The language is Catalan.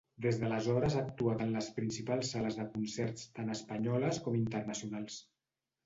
Des d'aleshores ha actuat en les principals sales de concerts tant espanyoles com internacionals.